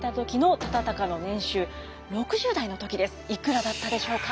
いくらだったでしょうか？